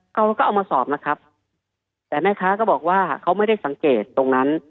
เขาก็เอามาสอบนะครับแต่แม่ค้าก็บอกว่าเขาไม่ได้สังเกตตรงนั้น